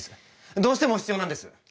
どうしても必要なんです！